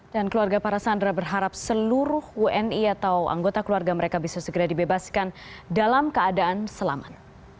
dan keluarga para sandera berharap seluruh wni atau anggota keluarga mereka bisa segera dibebaskan dalam keadaan selaman